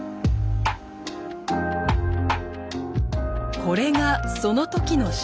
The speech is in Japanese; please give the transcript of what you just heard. これがその時の写真。